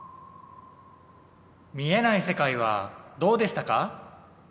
見えない世界はどうでしたか？